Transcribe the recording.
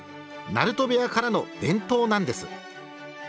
鳴戸部屋からの伝統なんです。